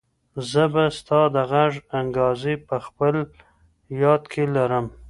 زه به ستا د غږ انګازې په خپل یاد کې لرم.